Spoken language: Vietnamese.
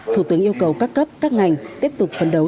thủ tướng yêu cầu các cấp các ngành tiếp tục phấn đấu